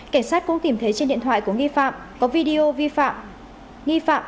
cảnh sát cũng tìm thấy trên điện thoại của nghi phạm có video vi phạm